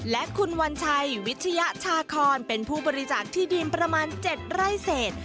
และคุณวัญชัยวิชยชาคอนเป็นผู้บริจาคที่ดินประมาณ๗ไร่เศษ